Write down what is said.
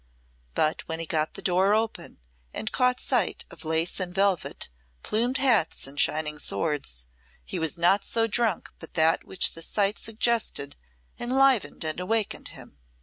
But when he got the door open, and caught sight of lace and velvet, plumed hats and shining swords, he was not so drunk but that which the sight suggested enlivened and awaked him.